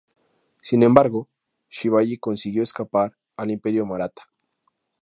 Sin embargo, Shivaji consiguió escapar al imperio Maratha.